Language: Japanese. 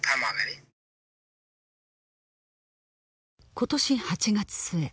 今年８月末